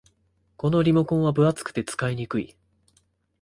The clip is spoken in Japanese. このリモコンは分厚くて使いにくい